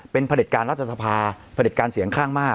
เป็นผลิตการรัฐสภาผลิตการเสียงข้างมาก